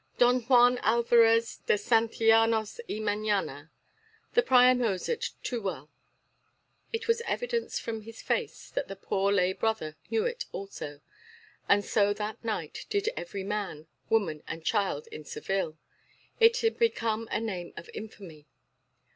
"Don Juan Alvarez de Santillanos y Meñaya. The prior knows it too well." It was evident from his face that the poor lay brother knew it also. And so that night did every man, woman, and child in Seville. It had become a name of infamy.